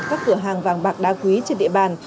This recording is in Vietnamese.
các cửa hàng vàng bạc đá quý trên địa bàn